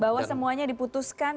bahwa semuanya diputuskan